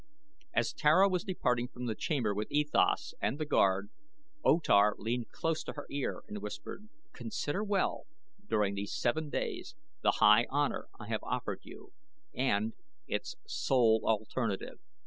As Tara was departing from the chamber with E Thas and the guard, O Tar leaned close to her ear and whispered: "Consider well during these seven days the high honor I have offered you, and its sole alternative."